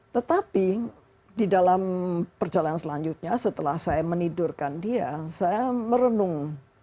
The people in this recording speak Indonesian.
tetapi di dalam perjalanan selanjutnya setelah saya menidurkan dia saya merenung